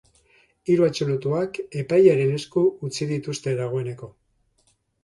Hiru atxilotuak epailearen esku utzi dituzte dagoeneko.